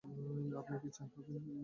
আপনি কি চা খাবেন?